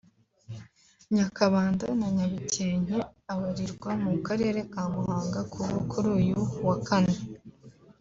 Nyakabanda na Nyabikenke abarirwa mu karere ka Muhanga k’ubu kuri uyu wa Kane